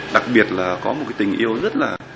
đặc biệt là có một cái tình yêu rất là